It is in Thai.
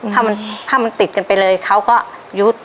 ถ้ามันติดกันไปเลยเขาก็ยุด